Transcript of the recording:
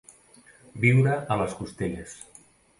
Viure a les costelles.